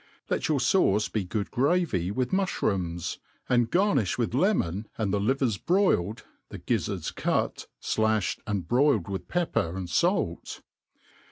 Let your fauce be good gravy, with mufliroams, and garoifli with lemon and the livers broiled, the gizzards cut, flafhed, and broiled with pepper and fait.